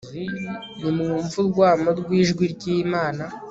nimwumve urwamo rw'ijwi ry'imana